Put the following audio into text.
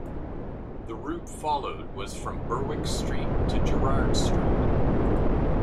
The route followed was from Berwick Street to Gerrard Street.